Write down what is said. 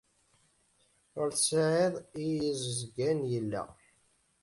Ur tesɛid i yezggan yella.